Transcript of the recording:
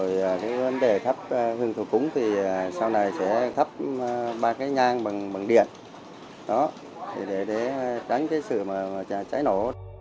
rồi vấn đề thắp hương thủ cúng thì sau này sẽ thắp ba cái nhang bằng điện để đánh cái sự cháy nổ